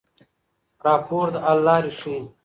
راپور د حل لارې ښيي.